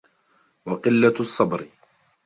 وَقِلَّةُ الصَّبْرِ